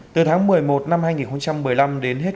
từ tháng một mươi một năm hai nghìn một mươi năm đến hết